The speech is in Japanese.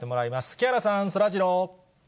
木原さん、そらジロー。